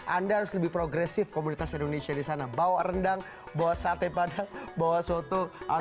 anda harus lebih progresif komunitas indonesia di sana bawa rendang bawa sate padang bawa soto